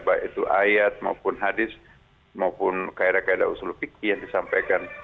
baik itu ayat maupun hadis maupun kaedah kaedah usul fikih yang disampaikan